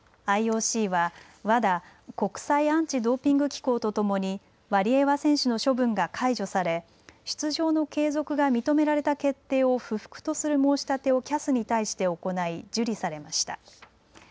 ＩＯＣはＷＡＤＡ・国際アンチドーピング機構とともにワリエワ選手の処分が解除され出場の継続が認められた決定を不服とする申し立てをＣＡＳに対して行い受理されました。